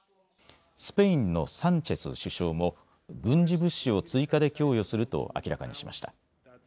スペインのサンチェス首相も軍事物資を追加で供与すると明らかにしました。